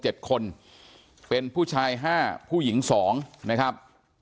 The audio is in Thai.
ต่ำรวจเป็นผู้ชาย๕ผู้หญิง๒นะครับ